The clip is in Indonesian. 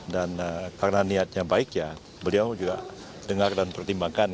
dan karena niatnya baik ya beliau juga dengar dan pertimbangkan